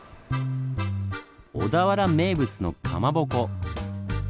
小田原名物のかまぼこ！